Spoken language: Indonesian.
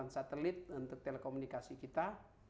delapan satelit untuk telekomunikasi kita